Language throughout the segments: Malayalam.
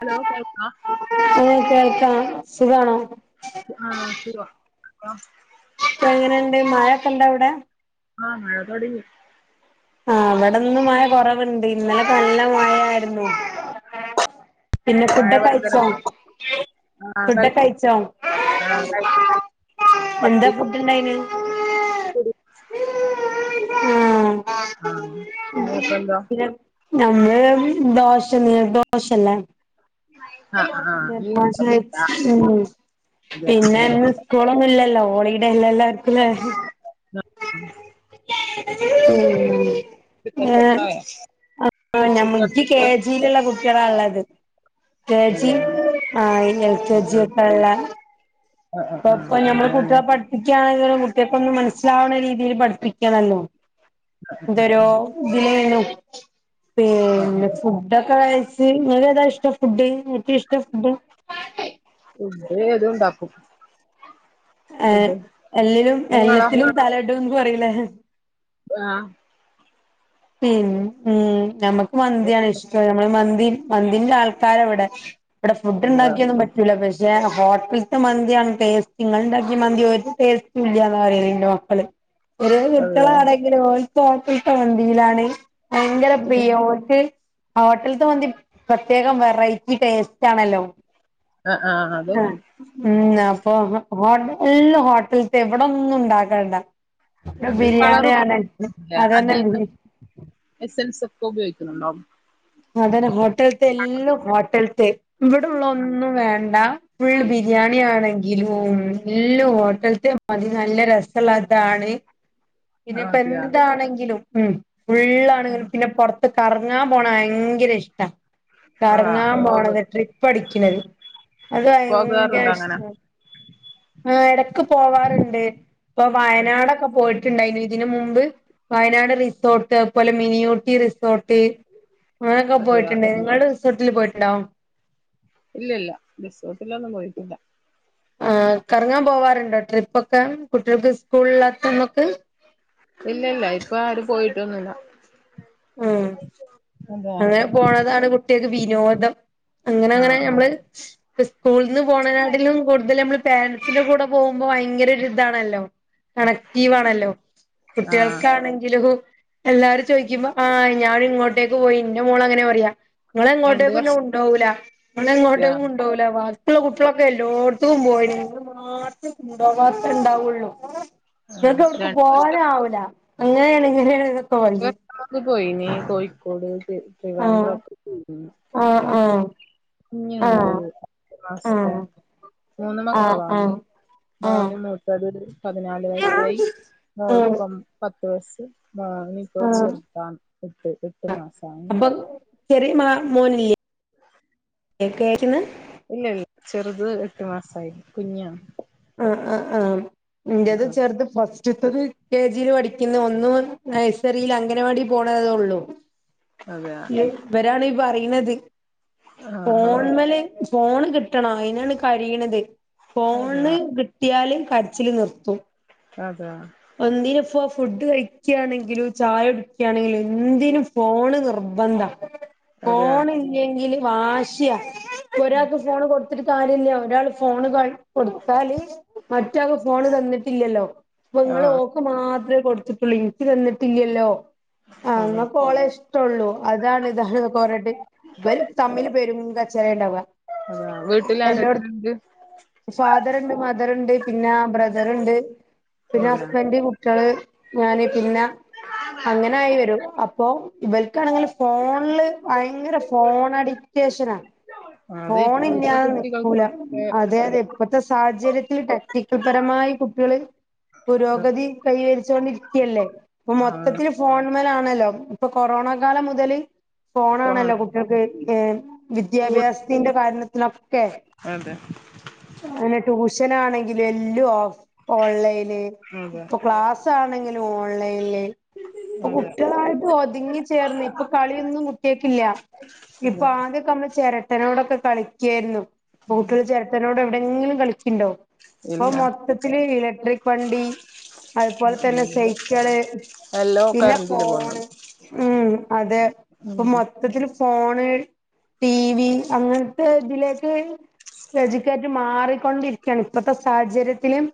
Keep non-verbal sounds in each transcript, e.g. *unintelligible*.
അലോ കേൾക്ക. ഉം കേൾക്കാ സുഖാണോ? ആഹ് സുഖം. *unintelligible* ഇപ്പൊ എങ്ങനെണ്ട് മഴൊക്കെണ്ടാ അവിടെ? ആഹ് മഴ തൊടങ്ങി ആഹ് ഇവടന്ന് മഴ കൊറവ്ണ്ട് ഇന്നലൊക്കെ നല്ല മഴയായിരുന്നു. പിന്നെ ഫുഡൊക്കഴിച്ചോ? ആഹ് കഴിച്ച് ആ കഴി എന്താ ഫുഡ് ഇണ്ടായിന്. കൂടി ആഹ് ആ നീയിപ്പ എന്തോ പിന്നെ നമ്മള് ദോശൺ ദോശല്ലേ. ആ ആ നീ മനസ്സിലായി ഉച്ചക്കത്തെ ഉം അതെയോ പിന്നെന്ന് സ്കൂളൊന്നുംല്ലല്ലോ ഓളിടെല്ല എല്ലാവർക്കുലേ *unintelligible* *unintelligible* *unintelligible* ആ ഞാൻ മുൻ കെ ഉച്ചക്കത്തെ ജിയിലുള്ള കുട്ടികളാള്ളത് കെ ജി അതെ. ആ ആ എൽകെജി ആ ഒക്കെള്ള ആ പ്പപ്പ ഞമ്മള് അങ്ങനെ കുട്ട്യേളെ ആ പട് ക്കാണെങ്കിലും കുട്ട്യേക്കൊന്ന് മനസ്സിലാവന്ന രീതിയിൽ പഠിപ്പിക്കണല്ലോ ന്തരോ *unintelligible* ആ അങ്ങനെ. പിന്നെ ഫുഡൊക്കെ കഴച്ച്. ങ്ങക്കേതാ ഇഷ്ടം ഫുഡ് ഇഷ്ട ഫുഡ്. ഫുഡ് ഏതുണ്ടാക്കും. ഏ എല്ലും നിങ്ങളോ എല്ലാത്തിലും തലടും പറയിലേ? *unintelligible* പിന്നെ ഉം നമ്മക്ക് മന്തിയാണ് ഇഷ്ടം നമ്മള് മന്തി മന്തിന്റെ ആൾക്കാര ഇവിടെ വടെ അതെയോ ഫുഡ്ണ്ടാക്കിയന്നും പ പക്ഷെ ഹോട്ടൽത്തെ മന്തിയാണ് ടേസ്റ്റ് ങ്ങള് ണ്ടാക്കിയ മന്തി ഒര് ടേസ്റ്റുല്ല പറയ്ണണ്ട് മക്കള് ഒരു അതെയോ കട്ട്യേളാണെങ്കിലും ഓൽക്ക് ഹോട്ടൽത്തെ മന്തിയിലാണ് ഭയങ്കര പ്രിയ ഓട്ട് ഹോട്ടൽത്തെ മന്തി പ്രത്യേകം വെറൈറ്റി ടേസ്റ്റ് ആണല്ലോ അ ആ ആഹ് അതൊക്കും. ഉം അപ്പൊ ഹോ എല്ല ഹോട്ടല്ത്തെവിടൊന്നുണ്ടാക്കണ്ട അത് ബിരിയാണിയാണ് അതന്നെണ്ട് എസൻസൊക്കെ ഉപയോഗിക്ക്ണ് ണ്ടോ? അതന്നെ ഹോട്ടൽത്തെല്ലും ഹോട്ടൽത്തെ ഇവിടെള്ളന്നും വേണ്ട. ഫുൾ ബിരിയാണി ആണെങ്കിലും എല്ലാം ഹോട്ടലത്തെ മതി നല്ല രസള്ളതാണ് *inaudible* പിന്നെ അതെയ ഇപ്പന്തെണെങ്കിലും ഉ ഫള്ളാണെങ്കിലും പിന്നെ പുറത്ത് കറങ്ങാൻ പോണ ഭയങ്കര ഇഷ്ട ആഹ് കറങ്ങാൻ പോക പോണത് ട്രിപ്പ് അടിക്കുന്നത് അത് ഭയങ്കര പോകാറുണ്ട് അങ്ങനെ ഇഷ്ടണ് ആഹ് എടക്ക് പോവാറുണ്ട് പ്പൊ വയനാടൊക്കെ പോയിട്ടുണ്ടായിന ഇതിന് മുമ്പ് വയനാട് റിസോട്ട് പോലെ മിനിയൂട്ടി റിസോട്ട് അങ്ങനൊക്കെ അതെയ പോയിട്ടുണ്ട് നിങ്ങള് റിസോട്ടില് പോയിട്ട്ണ്ടോ ഇല്ലില്ല റിസോട്ടിലൊന്നും പോയിട്ട്ല്ല ആ കറങ്ങാൻ പോവാറുണ്ടോ ട്രിപ്പൊക്കെ കുട്ടികൾക്ക് സ്കൂളിലാത്തന്നൊക്ക് ഇല്ലില്ല ഇപ്പൊ ആര് പോയിട്ടൊന്നുല്ല ആ അതെ അങ്ങനെ പോണതാണ് കുട്ട്യേക്ക് വിനോദം അങ്ങനങ്ങനെ ആഹ് ആഹ് നമ്മള് സ്കൂളിന്ന് പോകാനാണെകിലും കൂടുതൽ നമ്മള് പേരൻസിന്റെ കൂടെ പോകുമ്പോ ഭയങ്കരൊര്താണല്ലോ കണക്റ്റീവാണല്ലോ ആഹ് കുട്ട്യേൾക്കാണെങ്കിലും എല്ലാരും ചോയ്ക്കുമ്പോ ആ ഞാൻ ഇങ്ങോട്ടേക്ക് പോയി ന്റെ മോളങ്ങനെ പറയാ ങ്ങൾ രണ്ട് എങ്ങോട്ടേക്കും ഇന്നെ വർഷം കൊണ്ടോവുല ഇങ്ങൾ എങ്ങോട്ടേക്കും കുണ്ടോവൂല വാ കുള്ള കുട്ടികളൊക്കെ എല്ലോട്ത്തും പോയി നിങ്ങൾ മാത്രം കുണ്ടാകാത്ത ഉണ്ടാവുള്ളു നിങ്ങക്ക് ആഹ് എട്ക്കും രണ്ട് വർഷം പോവാനും ആവുല അങ്ങനെണ് ഇങ്ങനെണ് *unintelligible* പോയിനി കോഴിക്കോട് ആഹ് ട്രിവാൻഡ്രം ഒക്കെ ആഹ് ഇപ്പൊ ആഹ് ആഹ് ആഹ് *unintelligible* മൂന്ന് ആഹ് മക്കളാണ് ആഹ് ആഹ് മോനും മൂ ത് പതിനാല് ഉം വയസ്സായി മോൾക്കം പത്ത് വയസ്സ് മാമി *unintelligible* ആഹ് ചേർതാണ് വിട്ട് എട്ട് മാസായി ചെറി മാ മോനില്ലെ *unintelligible* ഇല്ലല്ല ചെറുത് എട്ട് മാസായി കുഞ്ഞി ആണ് ആഹ് ആഹ് ആഹ് എന്റെത് ആഹ് ചെറ്ത് ഫസ്റ്റ്ത്തത് കെ ജിൽ പഠിക്കുന്ന ഒന്ന് നൈസറിയിൽ അംഗനവാടി പോണതേ ഉള്ളൂ അതെ ഇവരാണ് ഈ പറയുന്നത് ആഹ് ആഹ് ഫോൺമല് ഫോൺ കിട്ടണ അയ്നാണ് കരയണത് അതെയാ ഫോണ് കിട്ടിയാൽ കരച്ചില് നിർത്തും അതെയാ എന്തിന്പ്പോ ഫുഡ് കഴിക്കാണെങ്കിലും ചായ കുടിക്കാണെങ്കിലും എന്തിനും ഫോണ് നിർബ ബന്ധ അതെയാ ഫോണില്ലെങ്കില് വാശിയാ. ഒരാക്ക് ഫോ ഫോണ്കൊടുത്തിട്ട് കാര്യല്ല ഒരാൾ ഫോണ് കയ്യി കൊടുത്താല് മറ്റാക്ക് ഫോണ് തന്നിട്ടില്ലല്ലോ അപ്പ നിങ്ങള് ഓ ആഹ് ക്ക്മാത്രേ കൊടുത്തിട്ടുള്ളൂ എനിക്ക് തന്നിട്ടില്ലല്ലോ ആഹ് അതെ അങ്ങക്ക് ഓളെ ഇഷ്ടൊള്ളൂ. അതാണ് ഇതാണ് ക്ക പറഞ്ഞിട്ട് ഇവര് തമ്മിൽ പേരും കച്ചറ ഉണ്ടവാ ആഹ് വീട്ടിൽ ആരൊക്കെണ്ട് ഫാദറ്ണ്ട് മദറ്ണ്ട് പിന്നാ ബ്രദറ്ണ്ട് പിന്നാ അതെയാ ഹസ്ബന്റ് കു കുട്ടികള് ഞാന് പിന്നാ അങ്ങനായി വരും അപ്പോ ഇവർക്കാണെങ്കി ഫോൺല് ഭയങ്കര ഫോൺ അഡിക്റ്റേഷനാ അത് ഫോണ ഇല്ല ഇപ്പോഴത്തെ നിക്കൂല കുട്ടികൾക്കൊക്കെ അതെ അതന്നെ അതെ ഇപ്പത്തെ സാഹചര്യത്തിൽ ടെക്നിക്കൽ പരമായി കുട്ടികള് പുരോഗതി കൈവരിച്ചോണ്ടിരിക്കയല്ലേ ഇപ്പൊ ആഹ് മൊത്തത്തില് ഫോൺമലാണല്ലോ ഇപ്പൊ കൊറോണ കാലം മുതല് ഫോൺ ഫോണാണല്ലോ കുട്ടിക്ക് ഏഹ് സ്കൂൾ വിദ്യാഭ്യാസത്തിന്റെ കാരണത്തിനൊക്കെ അതെ *unintelligible* അങ്ങനെ ട്യൂഷനാണെങ്കിലേ ല്ലും ഓഫ് ഓൺലൈൻല് അതെ ഇപ്പൊ ക്ലാസ് ണെങ്കിലും ഓൺലൈ അതെ കുട്ടികളായിട്ട് ഒതുങ്ങി ചേർന്നി ഒന്നും കുട്ടിയക്കില്ല ഇപ്പൊ അതെ ആദ്യക്കെ നമ്മള് ചിരട്ടനോടൊക്കെ കളിക്കായിരുന്നു *unintelligible* എവിടെങ്കിലും കളിക്കണ്ടവും ഇപ്പൊ ഇല്ല മൊത്തത്തില് ഇലക്ട്രിക് വണ്ടി അതുപോലെ തന്നെ ഉം സൈക്കിള് എല്ലോ പിന്നെ കറണ്ടില് പോന്നത് ഫോണ് ഉമ് അതെ ഇപ്പൊ ഉം മ മൊത്തത്തില് ഫോണ് ടി വി അങ്ങനത്തെ ഇതിലേക്ക് എഡ്യൂക്കേറ്റ് മാറിക്കൊണ്ടിരിയാണ് ഇപ്പോഴത്തെ സാഹചര്യത്തിലും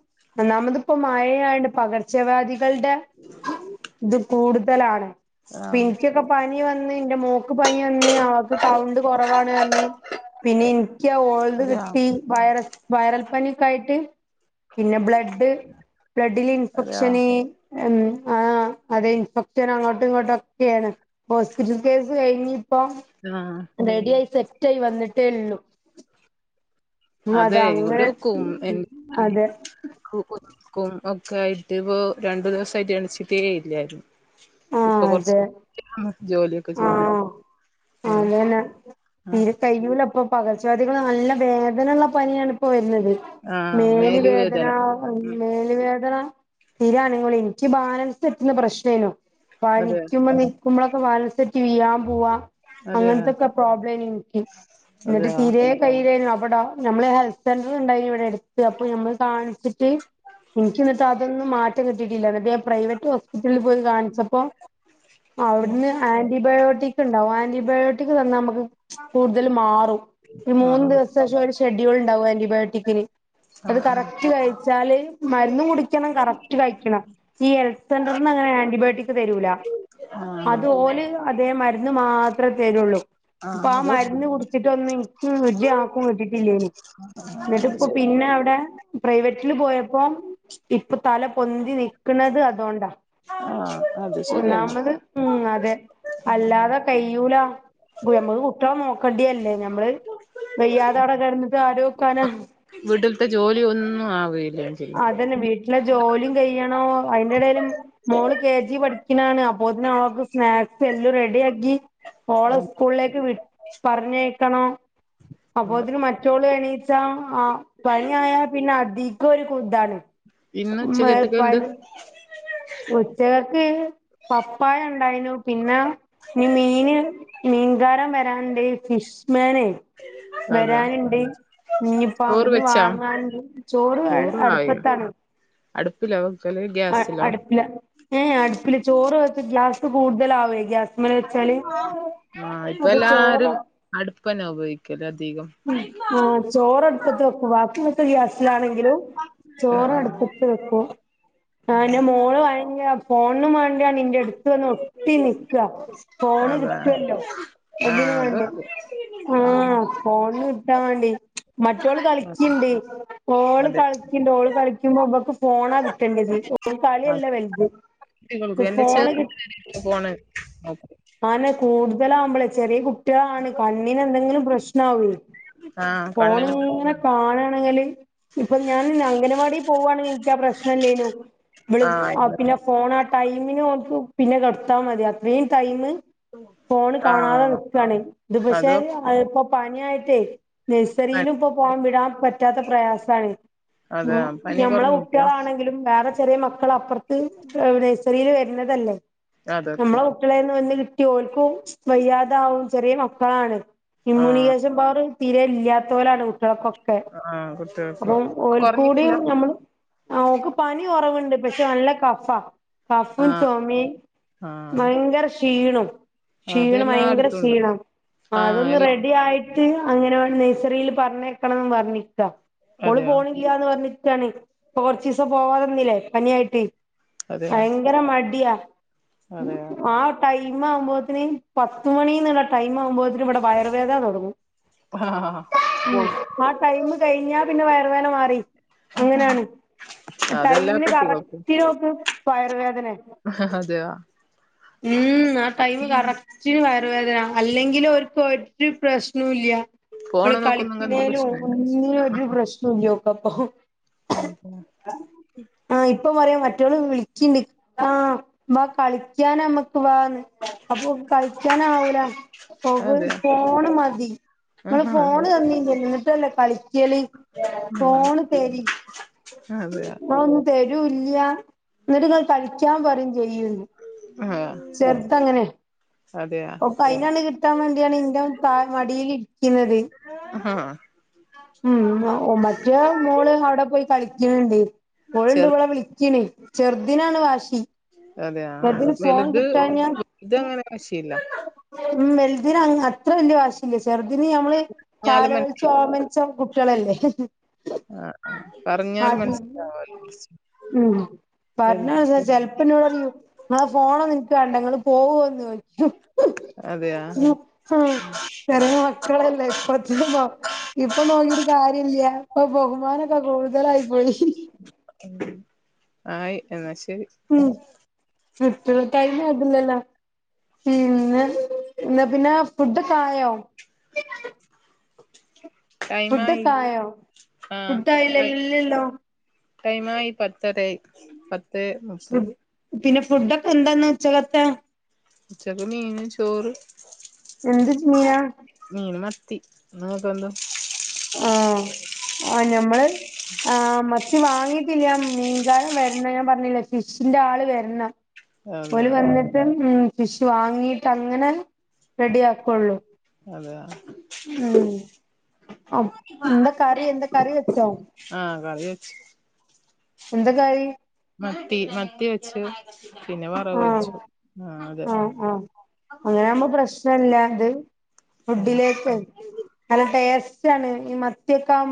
ഒന്നാമത്പ്പ മയേയോണ്ട് പകർ ച്ച വ്യാദികൾടെ ഇത് കൂടുതലാണ് പി ആഹ് പനി വന്ന് ന്റെ മോക്ക് പനി വന്ന് അവക്ക് കൗണ്ട് കുറവാണ് പറഞ് പിന്നെ എനിക്ക് ഓൾത് അതെയോ കിട്ടി വൈറസ് വൈറൽ പനീക്കെ ആയിട്ട്. പിന്നെ ബ്ലഡ് ബ്ലഡില് അതെയോ ഇൻഫെക്ഷന് *unintelligible* ഉം ആഹ് അതെ കൊർചേരം അങ്ങോട്ടും ഇങ്ങോട്ടുമൊക് യണ് ഹോസ്പിറ്റൽ കേസ് കഴിഞ്ഞ ഇപ്പ ആഹ് റെഡി ആയി സ *unintelligible* വന്നിട്ടേ എള്ളൂ അതെ അതങ്ങനെ ഇവിടെ കും എൻക്കു അതെ *unintelligible* ഒക്കെ ആയിട്ട് ഇപ്പൊ രണ്ടു ദിവസായിട്ട് എണച്ചിട്ടേയില്ലാരും ആ ഇപ്പൊ അതെ കൊറച്ച്--ട്ടാ ജോലിയൊക്കെ ചെയ്യുന്നെ ആഹ് അങ്ങനെ ഇ ആഹ് കയ്യൂലപ്പം പകർച്ചവാദികൾ നല്ല വേദന ഉള്ള പനിയാണ് ഇപ്പോ വരുന്നത് മേല് വേദന ഉം പിന്നെ വേദന തീരാണ് എനിക്ക് ബാലൻസ് തെറ്റുന്ന പ്രശ്നേനു അതെ പനിക്കുമ്പോ നിക്കുമ്പോളൊക്കെ ബാലൻസ് തെറ്റി വീഴാൻ പോവാ അതെയോ അങ്ങനത്തെക്കെ പ്രോബ്ലംന് എനിക്ക് എന്നിട്ട് അതെയോ തീരെ കയ്യിലെയ്‌നു അവുടാ നമ്മള് ഹെൽത്ത് സെന്റർ ഉണ്ടായി ഇവിടെ അടുത്ത് അപ്പൊ നമ്മള് കാണിച്ചിട്ട് ഇൻക്കിന്നിട്ട് അതൊന്നും മാറ്റം കിട്ടിട്ടില്ല ന്നിട്ട് ഞാ പ്രൈവറ്റ് ഹോസ്പിറ്റലിൽ പോയി കാണി ച്ചപ്പോ അവിടുന്ന് ആന്റിബയോട്ടിക്കുണ്ടാവും ആന്റിബയോട്ടിക് തന്നാ മ്മക്ക് കൂടുതൽ മാറും ഈ മൂന്നു ആഹ് ദിവസത്തെ ഷെ ഷെഡ്യൂളുണ്ടാവും ആന്റിബയോട്ടിക്കിന്. അത് ആഹ് ആഹ് കറക്റ്റ് കഴി ച്ചാൽ മരുന്ന് കുടിക്കണം കറക്റ്റ് കഴിക്കണം ഈ ഹെൽത്ത് സെന്റർന്നങ്ങനെ ആന്റിബയോട്ടിക് രൂല അത് ഓല് അതേ മരുന്ന് മാത്രേ തരുള്ളൂ. പ്പ ആഹ് ആ അതൊക്കും മരുന്ന് കുടിച്ചിട്ടൊന്നു ഇൻക്ക് വല്ല്യാകോ കിട്ടിട്ടില്ലേയ്നു. അത് ഇന്നിട്ട്പ്പൊ ശരി പിന്നവ്ടാ പ്രൈവറ്റില് പോയപ്പം ഇപ്പൊ തല പൊന്തി നിക്ക്ണത് അതോണ്ടാ. ആഹ് അത് ശരിയാണ് ഒന്നാമത് ഉം അതെ അല്ലാതെ കയ്യൂല ഗു മ്മക്ക് കുട്ട്യോളാ നോക്കണ്ടിയല്ലേ ഞ മ്മള് വെയ്യാതവ്ടെ കെട്ന്നിട്ട് ആരോക്കാന. വീട്ടിൽത്തെ ജോലിയൊന്നും ആവയില്ലേ? അതന്നെ വീട്ടിലെ ജോലിം കയ്യണോ അയിന്റെടയില് മോള് കെ ജി പഠി ക്കിനാണ് അപ്പോത്തിനോക്ക് സ്നാക്സെല്ല റെഡിയാക്കി ഓളെ സ്കൂളേക്ക് വി പറഞ്ഞയക്കണോ ആ അപ്പൊത്തിന് മറ്റ് റ്റോള് എണീച്ച ആ പനിയായാ പിന്നെ അധിഗൊരു കു താണ്. ഇന്ന് മെ ഉച്ചക്കത്തൊക്കെ പൻ എന്ത് ഉച്ചകക്ക് പപ്പായ ഉണ്ടയിനു പിന്നെ ഇനി മീന് മീൻകാരൻ വരാനൊണ്ടെ ഫിഷ്മാനെ. അതാ വരാനിണ്ട്. ഇഞ്ഞ്പ്പോ ചോറ് അവ്ടുന്ന് വെച്ചാ വാങ്ങാന് ചോറ് അടുപ്പത്താണ്. അടുപ്പിലാ വെക്കല് ഗ്യാ ആഹ് അടുപ്പില ഏ ഏ അടുപ്പില് ചോറ് വെച്ച ഗ്യാസ് കൂടുതലാവേ ഗ്യാസ് ആഹ് ഇപ്പല്ലാരും ചോറ് അടുപ്പന്നെ ഉപയോഗിക്കൽ അധികം. ഉം ആഹ് ചോറടുപ്പത്ത് വെക്കു വാക്കി മൊത്തം ഗ്യാസിലാണെങ്കിലും ചോറടുപ്പ് ത്ത് വെക്കും ആഹ് ഇൻ്റെ മോള് വയങ്കര ഫോണുനുമാ *unintelligible* ഇൻ്റെടുത്ത് വന്ന് ഒട്ടി നിക്ക ഫോണ് അതാ കിട്ടുവല്ലോ. ഇതിനു ആഹ് വേണ്ട അതൊക്കെ ആഹ് ഫോണ് ട്ടാൻ വേണ്ടി. മറ്റോള് കളിക്കിണ്ട്. ഓള് അതെ കളിക്ക്ണ്ട് ഓള് കളിക്കുമ്പോ ഇവക്ക് ഫോണാ കിട്ടണ്ടത്. ഓ കളിയല്ല വെല്ത് ഈ കുട്ടികൾക്ക് എന്റെ ഫോണ് കിട്ട് ചെറുതിന് ഫോണ് ആനെ കൂടുതലാവുമ്പളെ ചെറിയ കുട്ട്യാളാണ് കണ്ണിനെന്തെങ്കിലും പ്രശ്നാവേ. ആഹ് കണ്ണിന് ഫോണ്ങ്ങനെ കാണാണെങ്കില് ഇപ്പൊ ഞാൻ ഇന് അംഗനവാടി പോവാണെങ്കി ഇൻക്കാ പ്രശ്നല്ലെയ്നു. ഇവ്ള് ആഹ് പിന്നെ ഫോൺ ആ ടൈമിനോൽക്ക് പിന്നെ കെടുത്താ മതി അത്രയും ടൈമ് ഫോണ് കാണാതെ ആഹ് നിക്കാണ് ഇത് അത് പക്ഷെ വെക്കും അഹ് ഇപ്പോ പനിയായിട്ടേ നഴ്സറീലും ഇപ്പ പോആൻ വിടാൻ പറ്റാത്ത പ്രയാസാണ്. അതാ ഉം പനി ഞമ്മളെ കൊറഞ്ഞില്ല കുട്ട്യാളാണെങ്കിലും വേറെ ചെറിയ മക്കളപ്പർത്ത് ഏഹ് നഴസറീൽ വര്ണതല്ലേ നമ്മള അതെക്കും മ്മളേന്ന് ഒന്ന് കിട്ടിയ ഓൽക്കും വയ്യാതാവു ചെറിയ മക്കളാണ്. ആഹ് ഇമ്മുണിയേ റ്റെപാറും തീരെ ഇല്ലാത്തോലാണ് ഉ ട്ട്യാൾക്കൊക്കെ ആഹ് കുട്ടികൾക്ക് അപ്പൊം ഓല്കൂടി കൊറഞ്ഞിട്ടില്ല നമ്മൾ ആഹ് ഓക്ക് പനി ക്കുറവുണ്ട് പക്ഷെ നല്ല കഫാ. കഫും, ആഹ് ചൊമേം ആഹ് ഭയങ്കര ക്ഷീണം ക്ഷീണം ഭയങ്കര അതെല്ലായിടത്തുണ്ട് ക്ഷീണം ആഹ് അതൊന്ന് എല്ലാ റെഡിയായി ട്ട് അങ്ങനെ ഓ നഴ്സറിൽ പറഞ്ഞയക്കണം ന്ന് പറഞ്ഞിട്ട് നിക്കാ ഓള് അതെയോ പോണി ല്ലാന്ന് പറഞ്ഞിക്കാണ് പ്പോ കൊർച്ചീസം പോകാതിന്നീന്നില്ലേ പനിയായിട്ട്. അതെയോ ഭയങ്കര മടിയാ അതെയോ ആഹ് ടൈമാകുബോത്തിന് പത്ത് മണി ന്നുള ടൈമാകുംബോത്തിന് ഇവിടെ വയറുവേദന തുടങ്ങും അ ഹാ ഹാ ഹാ സ്കൂൾണ്ട്. ആഹ് ടൈം കഴിഞ്ഞാ പിന്നെ വയർ വേദന മാറി അങ്ങനാണ് അതെല്ലാ ടൈമിന് കുട്ടികൾക്കും കറക്റ്റ്നോക്ക് വയർവേദന വരും ഹ ഹ അതെയോ ഉം ആ ടൈമ് കറക് ച്ചിരി വയറുവേദന അല്ലെങ്കിൽ ഓർക്ക് ഒരു പ്രശ്നുംല്ലാ ഓള് ഫോണ് നോക്കുന്നെങ്കി എന്ത് കളിക്ക്ണേൽ പ്രശ്നല്ല ഒന്നും ഒരു പ്രശ്നല്ലാ ഓക്കപ്പം ആ *unintelligible* ആഹ് ഇപ്പം പറയാ മറ്റോള് വിളിക്കിണ്ട് ആ വാ കളിക്കൻ നമ്മക്ക് വാന്ന് അപ്പൊ കളിക്കാനാവൂല ഓക്ക് അതെ ഫോണ് മതി. ഒള് ആഹ് അതെ ഫോണ് തന്നീന്നല്ലോ ന്നിട്ടല്ലേ കളിക്കല്. ഹലോ *unintelligible* ഫോണ് ആ അതെയാ അഒന്നും തരൂല്ല എന്നിട്ടങ്ങൾ കളിക്കാൻ പറയും ചെയ്യൂ ആ *unintelligible* ചെർതങ്ങനെ ഒ ഐനാണ് കിട്ടാൻ വേണ്ടിയാണ് ഇന്റെ ത മടിയിൽ ഇരിക്കിണത് ആഹ് അഹ ഉം മറ്റേ മോള് അവിടെ പോയി കളിക്കിണണ്ട് ചെറു ഓള്ണ്ടവിടെ വിളിക്കണേ ചെറുദിനാണ് വാശി അതെയാ ചെറുതിന് ഫോൺ വലുത് കിട്ടാഞ്ഞാ ത് അങ്ങനെ വാശിയില്ല ഉം വൽതിന് അങ്ങന അത്ര വല്യ വാശി ചെറുദിന് നമ്മള് താലോൽച ഓമൻച്ച കുട്ടെളല്ലേ പറഞ്ഞാലും മനസ്സിലാവുല്ലാ ഉം പറഞ്ഞാചെ ചെൽപ്പനോട്റിയും ഫോണൊന്നുംൻക്ക് മാണ്ട ഇങ്ങള് പോവോന്ന് ചോയ്ക്കും അതെയാ *unintelligible* ചെറേ മക്കളല്ലേ ഇപ്പച്ച ണ്ടാ ഇപ്പൊ നോക്കിട്ട് കാര്യല്ല ഇപ്പൊ ബഹുമാനൊക്കെ കൂടുതലായി പോയി ഹി ആയി ന്നാശരി *unintelligible* തില്ലല്ലോ ഇന്ന് എന്നാ പിന്നെ ഫുഡ്ഡൊക്കെആയോ ടൈം. ആയി ആയോ ആ ഫുഡായില്ലല്ലോ. ഫുഡ് *unintelligible* ആയില്ലല്ലല്ലോ ടൈം ആയി പത്തര ആയി പത്ത് മുപ്പത് ഫുഡ് പിന്നെ ഫുഡൊക്കെ എന്താന്ന് ഉച്ചകത്തെ ഉച്ചക്ക് മീന് ചോറ് എന്ത് ജ മീനാ മീൻ മത്തി ഇങ്ങക്കന്തോ ആഹ് ആഹ് ഞമ്മള് ആ *inaudible* മത്തി വാങ്ങീട്ടില്ല മീൻകാരൻ വരണേ ഞാൻ പറഞ്ഞില്ല ഫിഷിന്റെ ആള് വരണം. അതെയ ഓല് വന്നിട്ട് ഉം ഫിഷ് വാങ്ങിയിട്ട് അങ്ങനെ റെഡി ആക്കുള്ളൂ അതെയാ ഉം എന്താ കറി എന്താ കറി വെച്ചോ ആ കറി വെച്ച്. എന്താ കറി? മത്തി മത്തി വെച്ചു പിന്നെ വറവ് വെച്ചു ആ അതെ. അങ്ങനെ ആകുമ്പോ പ്രശ്നല്ലത് ഫുഡിലേക്ക് നല്ല ടേസ്റ്റാണ് ഈ മത്തിയൊക്ക ആകു